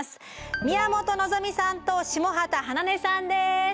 宮本望美さんと下畑花音さんです。